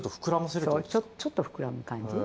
そうちょっと膨らむ感じ？